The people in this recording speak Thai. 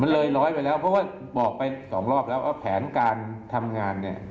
เลยร้อยไปแล้วเพราะว่าบอกไปสองรอบแล้วว่าแผนการทำงานเนี่ย